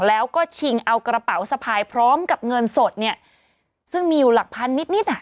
แล้วก็ชิงเอากระเป๋าสะพายพร้อมกับเงินสดเนี่ยซึ่งมีอยู่หลักพันนิดนิดอ่ะ